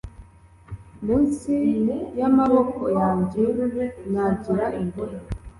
Munsi yamaboko yanjye nagira imbohe